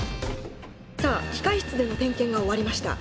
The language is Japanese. さあ機械室での点検が終わりました。